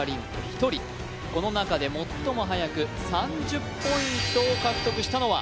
一人この中で最もはやく３０ポイントを獲得したのは